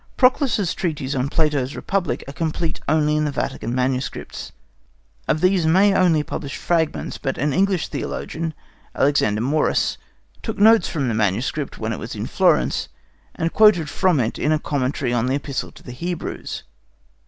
Proclus's treatises on Plato's Republic are complete only in the Vatican manuscripts. Of these Mai only published fragments, but an English theologian, Alexander Morus, took notes from the manuscript when it was in Florence, and quoted from it in a commentary on the Epistle to the Hebrews.